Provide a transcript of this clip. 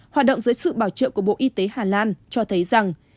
hoạt động dưới sự bảo trợ của bộ y tế hà lan cho thấy rằng